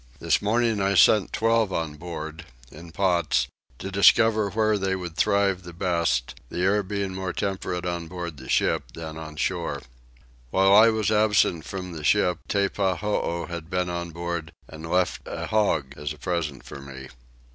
This morning I sent twelve on board, in pots, to discover where they would thrive the best, the air being more temperate on board the ship than on shore. While I was absent from the ship Teppahoo had been on board and left a hog as a present for me.